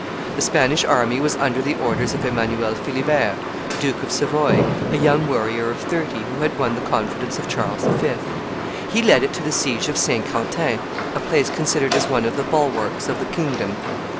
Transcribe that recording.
The Spanish army was under the orders of Emmanuel Philibert, Duke of Savoy, a young warrior of thirty, who had won the confidence of Charles V. He led it to the siege of Saint Quentin, a place considered as one of the bulwarks of the kingdom.